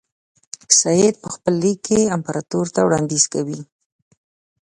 سید په خپل لیک کې امپراطور ته وړاندیز کوي.